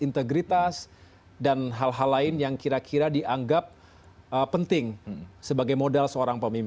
sebenarnya itu adalah kandidat yang dianggap penting sebagai modal seorang pemimpin